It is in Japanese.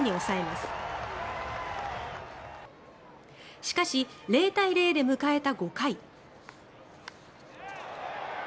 しかし、０対０で迎えた５回。